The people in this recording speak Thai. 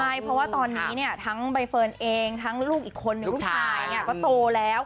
ใช่เพราะว่าตอนนี้เนี่ยทั้งใบเฟิร์นเองทั้งลูกอีกคนนึงลูกชายเนี่ยก็โตแล้ว